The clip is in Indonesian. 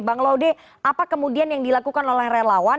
bang laude apa kemudian yang dilakukan oleh relawan